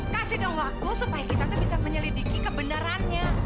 kasih dong waktu supaya kita tuh bisa menyelidiki kebenarannya